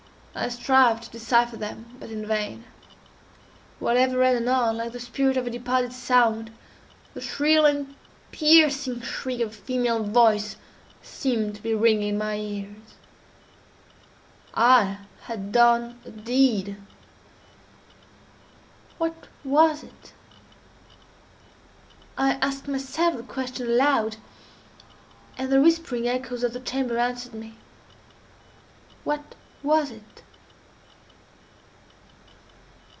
I strived to decypher them, but in vain; while ever and anon, like the spirit of a departed sound, the shrill and piercing shriek of a female voice seemed to be ringing in my ears. I had done a deed—what was it? I asked myself the question aloud, and the whispering echoes of the chamber answered me,—"_What was it?